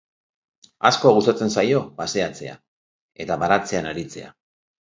Asko gustatzen zaio paseatzea eta baratzean aritzea.